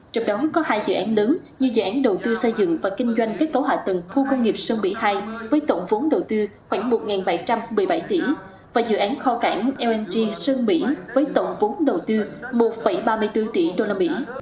trong đó có hai dự án lớn như dự án đầu tư xây dựng và kinh doanh kết cấu hạ tầng khu công nghiệp sơn bỉ hai với tổng vốn đầu tư khoảng một bảy trăm một mươi bảy tỷ và dự án kho cảng lng sơn bỉ với tổng vốn đầu tư một ba mươi bốn tỷ đô la mỹ